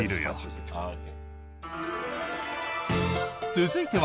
続いては。